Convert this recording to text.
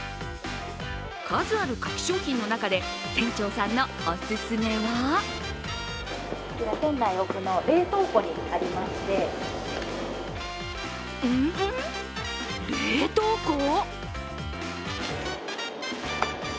数ある柿商品の中で店長さんのおすすめはんん？冷凍庫？